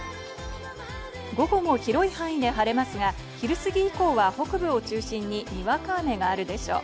午後も広い範囲で晴れますが、昼過ぎ以降は北部を中心ににわか雨があるでしょう。